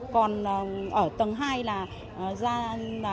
còn ở tầng hai là